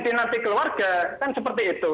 di nanti keluarga kan seperti itu